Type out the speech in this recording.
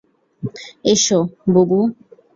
এসো, বুবু।